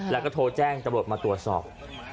แล้วก็โทรแจ้งจบบทมาตรวจสอบ